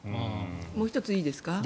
もう１ついいですか。